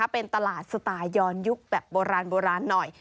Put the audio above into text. เป็นตลาดสไตล์ย้อนยุคแบบโบราณหน่อย